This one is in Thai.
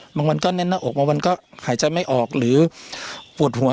บางวันก็แน่นหน้าอกบางวันก็หายใจไม่ออกหรือปวดหัว